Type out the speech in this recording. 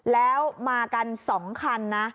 แล้วมากัน๒คันนะ